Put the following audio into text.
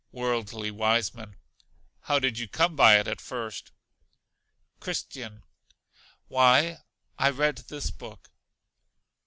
Worldly Wiseman. How did you come by it at first? Christian. Why, I read this book.